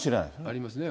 ありますね。